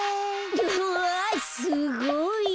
うわすごい。